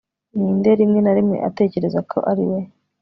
Ninde rimwe na rimwe atekereza ko ari we